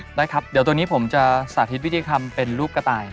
ได้ครับเดี๋ยวตัวนี้ผมจะสาธิตวิธีทำเป็นรูปกระต่าย